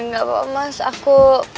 gak apa mas aku